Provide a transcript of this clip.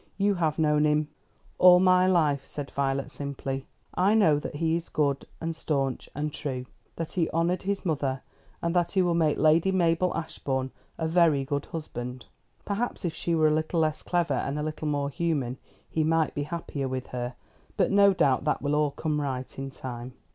You have known him " "All my life," said Violet simply. "I know that he is good, and stanch and true, that he honoured his mother, and that he will make Lady Mabel Ashbourne a very good husband. Perhaps if she were a little less clever and a little more human, he might be happier with her; but no doubt that will all come right in time."